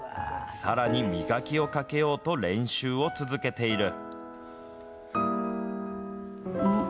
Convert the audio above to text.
さらに磨きをかけようと練習を続けている。